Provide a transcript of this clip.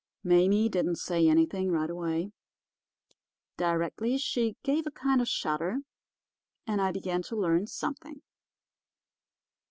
"Mame didn't say anything right away. Directly she gave a kind of shudder, and I began to learn something.